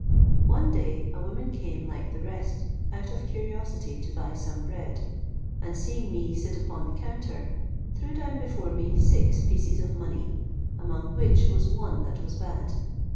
One day a woman came like the rest out of curiosity to buy some bread, and seeing me sit upon the counter, threw down before me six pieces of money, among which was one that was bad.